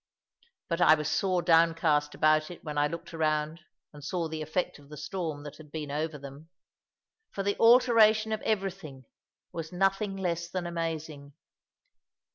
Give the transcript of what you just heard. But I was sore downcast about it when I looked around and saw the effect of the storm that had been over them. For the alteration of everything was nothing less than amazing.